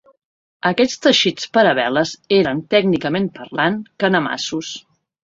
Aquests teixits per a veles eren, tècnicament parlant, canemassos.